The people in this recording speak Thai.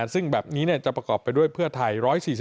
ซึ่งแบบนี้จะประกอบไปด้วยเพื่อไทย๑๔๔